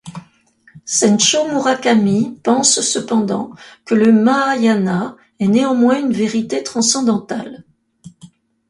Senshō Murakami pense cependant que le mahāyāna est néanmoins une vérité transcendantale.